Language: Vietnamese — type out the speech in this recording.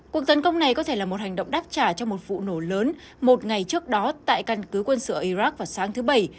cuộc tấn công này có thể là một hành động đáp trả cho một vụ nổ lớn một ngày trước đó tại căn cứ quân sự iraq vào sáng thứ bảy